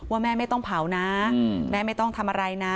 แม่ไม่ต้องเผานะแม่ไม่ต้องทำอะไรนะ